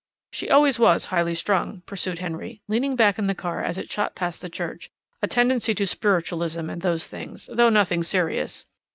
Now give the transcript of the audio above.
"She always was highly strung," pursued Henry, leaning back in the car as it shot past the church. "A tendency to spiritualism and those things, though nothing serious.